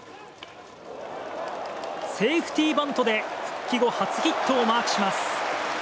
セーフティーバントで復帰後初ヒットをマークします。